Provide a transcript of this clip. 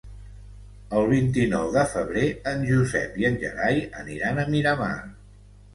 El vint-i-nou de febrer en Josep i en Gerai aniran a Miramar.